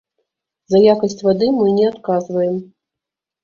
За якасць вады мы не адказваем.